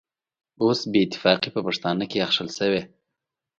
اوس بې اتفاقي په پښتانه کې اخښل شوې.